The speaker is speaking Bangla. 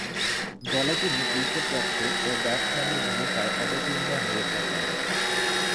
দলে তিনি উইকেট-রক্ষক ও ব্যাটসম্যানের ভূমিকায় অবতীর্ণ হয়ে থাকেন।